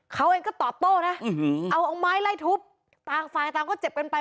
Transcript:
เขาเองก็ตอบโต้นะเอาไม้ไล่ทุบต่างฝ่ายต่างก็เจ็บกันไป